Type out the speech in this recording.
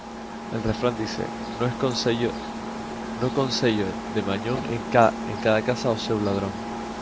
El refrán dice "No concello de Mañón en cada casa o seu ladrón".